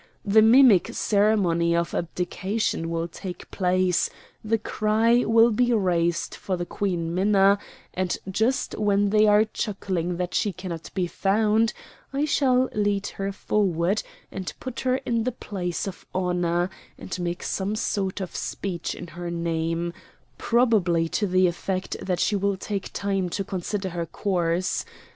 The mimic ceremony of abdication will take place, the cry will be raised for the Queen Minna, and just when they are chuckling that she cannot be found I shall lead her forward and put her in the place of honor, and make some sort of speech in her name probably to the effect that she will take time to consider her course.